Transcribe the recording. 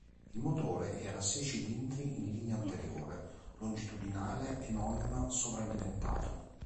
Il motore era a sei cilindri in linea anteriore, longitudinale e non sovralimentato.